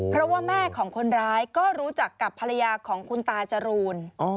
เพราะว่าแม่ของคนร้ายก็รู้จักกับภรรยาของคุณตาจรูน